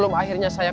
grup kepada saya